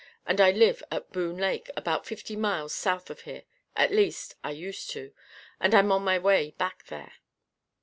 And I live at Boone Lake, about fifty miles south of here. At least, I used to and I'm on my way back there."